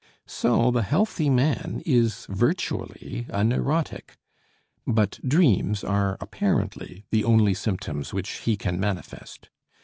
So the healthy man is virtually a neurotic, but dreams are apparently the only symptoms which he can manifest.